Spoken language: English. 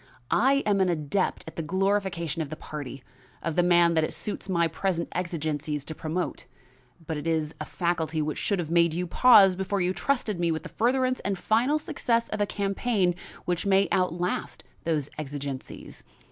I am an adept at the glorification of the party, of the man that it suits my present exigencies to promote, but it is a faculty which should have made you pause before you trusted me with the furtherance and final success of a campaign which may outlast those exigencies.